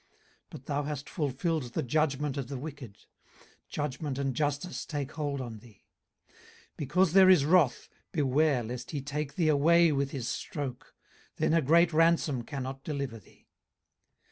18:036:017 But thou hast fulfilled the judgment of the wicked: judgment and justice take hold on thee. 18:036:018 Because there is wrath, beware lest he take thee away with his stroke: then a great ransom cannot deliver thee.